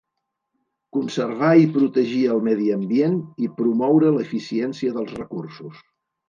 Conservar i protegir el medi ambient i promoure l'eficiència dels recursos.